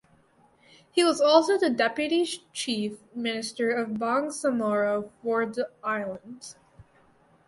He was also the Deputy Chief Minister of Bangsamoro for the Islands.